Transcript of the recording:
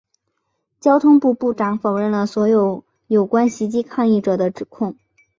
交通部部长否认了所有有关袭击抗议者的指控。